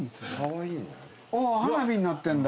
花火になってんだ。